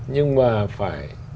nhưng mà phải